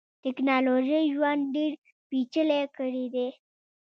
ټکنالوژۍ ژوند ډیر پېچلی کړیدی.